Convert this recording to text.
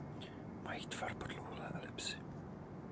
Mají tvar podlouhlé elipsy.